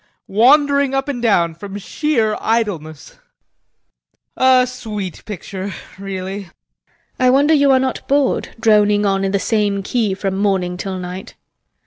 Wandering up and down from sheer idleness. A sweet picture, really. HELENA. I wonder you are not bored, droning on in the same key from morning till night.